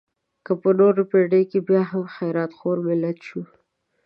که په نوې پېړۍ کې بیا هم خیرات خور ملت شو.